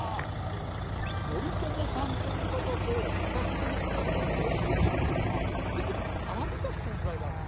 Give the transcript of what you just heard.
頼朝さんという方と私の弟の義時っていうのは言ってみれば並び立つ存在だと。